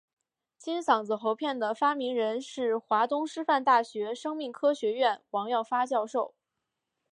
金嗓子喉片的发明人是华东师范大学生命科学学院王耀发教授。